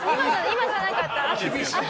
今じゃなかった。